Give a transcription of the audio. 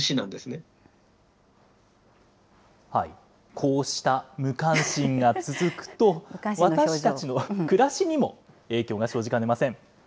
こうした無関心が続くと、私たちの暮らしにも影響が生じかねません。